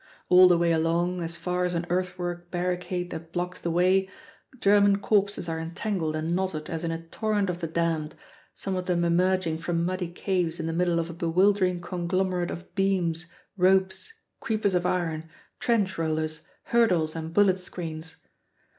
All the way along, as far as an earthwork barricade that blocks the way, German corpses are entangled and knotted as in a torrent of the damned, some of them emerging from muddy caves in the middle of a bewildering conglomerate of beams, ropes, creepers of iron, trench rollers, hurdles, and bullet screens.